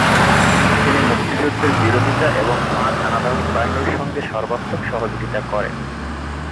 তিনি মুক্তিযুদ্ধের বিরোধিতা এবং পাক হানাদার বাহিনীর সঙ্গে সর্বাত্মক সহযোগিতা করেন।